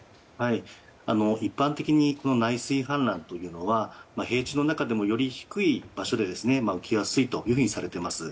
一般的に内水氾濫というのは平地の中でもより低い場所で起きやすいとされています。